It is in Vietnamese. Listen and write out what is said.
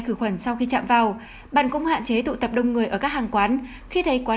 khử khuẩn sau khi chạm vào bạn cũng hạn chế tụ tập đông người ở các hàng quán khi thấy quán